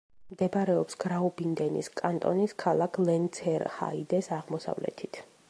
მდებარეობს გრაუბიუნდენის კანტონის ქალაქ ლენცერჰაიდეს აღმოსავლეთით.